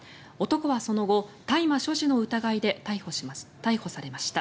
男はその後、大麻所持の疑いで逮捕されました。